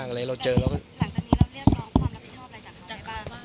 หลังจากนี้เรียกร้องความรับผิดชอบอะไรจากเขาไหม